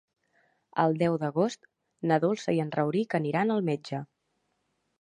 El deu d'agost na Dolça i en Rauric aniran al metge.